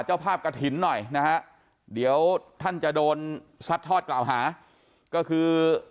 เจ้าภาพกระถิ่นหน่อยนะฮะเดี๋ยวท่านจะโดนซัดทอดกล่าวหาก็คือ